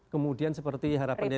kemudian seperti harapan dari